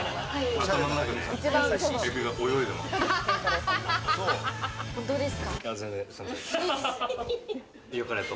頭の中でエビが泳いでます。